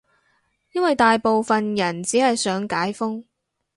因爲大部分人只係想解封